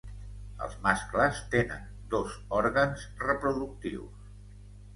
Els mascles tenen dos òrgans reproductius.